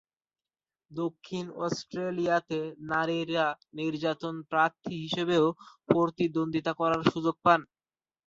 দক্ষিণ অস্ট্রেলিয়াতে নারীরা নির্বাচনে প্রার্থী হিসেবেও প্রতিদ্বন্দ্বিতা করার সুযোগ পান।